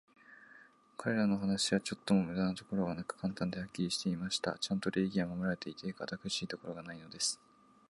彼等の話は、ちょっとも無駄なところがなく、簡単で、はっきりしていました。ちゃんと礼儀は守られていて、堅苦しいところがないのです。